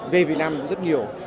về việt nam cũng rất nhiều